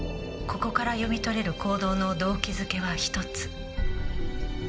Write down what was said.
ここから読み取れる行動の動機づけは１つ。